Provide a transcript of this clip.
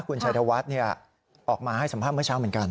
คุณชัยธวัฒน์ออกมาให้สัมภาษณ์เมื่อเช้าเหมือนกัน